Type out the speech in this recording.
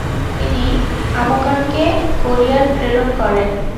তিনি আমুকানকে কোরিয়ায় প্রেরণ করেন।